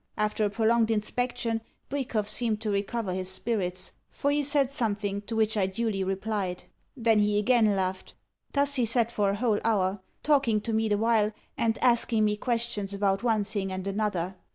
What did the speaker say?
After a prolonged inspection, Bwikov seemed to recover his spirits, for he said something to which I duly replied. Then again he laughed. Thus he sat for a whole hour talking to me the while, and asking me questions about one thing and another.